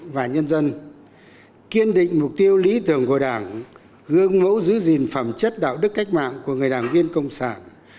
và nhân dân kiên định mục tiêu lý tưởng của đảng gương mẫu giữ gìn phẩm chất đạo đức cách mạng của người đảng viên công sản